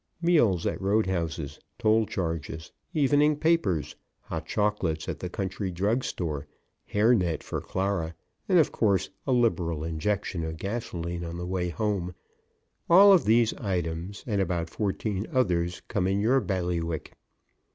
Meals at road houses, toll charges, evening papers, hot chocolates at the country drug store, hair net for Clara, and, of course, a liberal injection of gasoline on the way home, all of these items and about fourteen others come in your bailiwick.